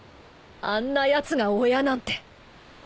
あんなやつが親なんて。